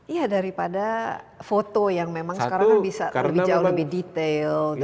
iya daripada foto yang memang sekarang kan bisa lebih jauh lebih detail